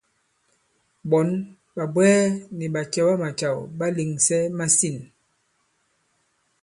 Ɓɔ̌n, ɓàbwɛɛ nì ɓàcɛ̀wamàcàw ɓà lèŋsɛ masîn.